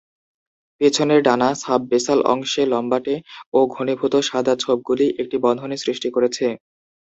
পিছনের ডানা: সাব-বেসাল অংশে লম্বাটে ও ঘনীভূত সাদা ছোপগুলি একটি বন্ধনী সৃষ্টি করেছে।